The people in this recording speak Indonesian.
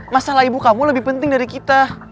masalah ibu kamu lebih penting dari kita